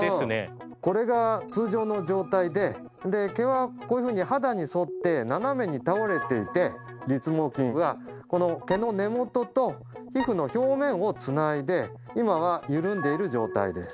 これが通常の状態でで毛はこういうふうに肌に沿って斜めに倒れていて立毛筋はこの毛の根元と皮膚の表面をつないで今はゆるんでいる状態です。